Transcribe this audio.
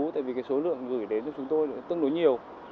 tại vì cái số lượng gửi đến cho chúng tôi tương đối nhiều